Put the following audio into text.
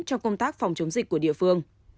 cho công tác phòng chống dịch của địa phương